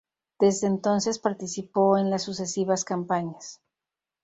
Desde entonces, participó en las sucesivas campañas.